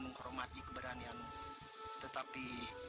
menghormati keberanian tetapi